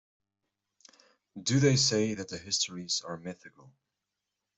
Do they say that the histories are mythical?